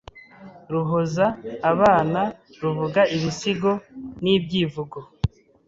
ruhoza abana, ruvuga ibisigo n’ibyivugo